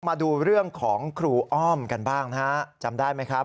มาดูเรื่องของครูอ้อมกันบ้างนะฮะจำได้ไหมครับ